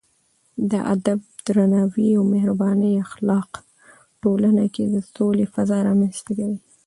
د ادب، درناوي او مهربانۍ اخلاق ټولنه کې د سولې فضا رامنځته کوي.